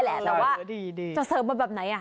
แต่ว่าจะเสร์ฟไปเก่าแบบไหน